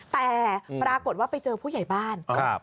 แต่ปรากฏว่าไปเจอผู้ใหญ่บ้าน